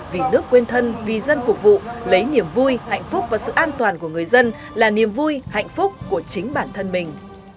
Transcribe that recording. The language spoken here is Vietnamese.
vì nước quên thân vì dân phục vụ lấy niềm vui hạnh phúc và sự an toàn của người dân là niềm vui hạnh phúc của chính bản thân mình